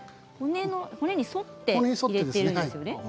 骨に沿って入れているんですね。